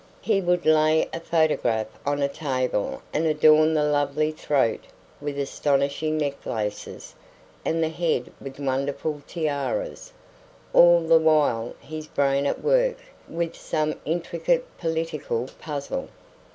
He would lay a photograph on a table and adorn the lovely throat with astonishing necklaces and the head with wonderful tiaras, all the while his brain at work with some intricate political puzzle.